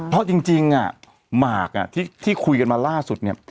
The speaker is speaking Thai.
เพราะจริงมาร์คที่คุยกันมาล่าสุด